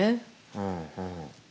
うんうん。